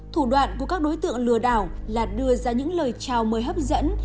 thủ đoạn của các đối tượng lừa đảo là đưa ra những lời chào mời hấp dẫn